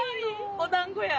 おだんごや。